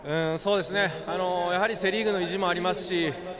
セ・リーグの意地もありますし、